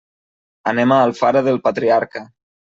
Anem a Alfara del Patriarca.